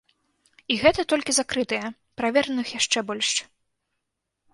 І гэта толькі закрытыя, правераных яшчэ больш.